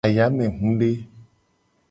Ayamehude.